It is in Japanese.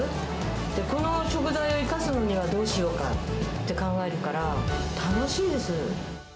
この食材を生かすのにはどうしようかって考えるから、楽しいです。